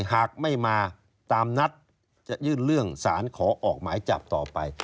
หากไม่มาตามนัดจะยื่นเรื่องสารขอออกหมายจับต่อไป